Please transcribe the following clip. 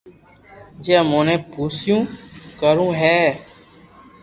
جي امون نو پرݾون ڪرو ھي